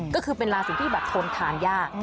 ก็คือเป็นราศีที่แบบทนทานยาก